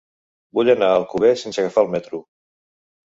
Vull anar a Alcover sense agafar el metro.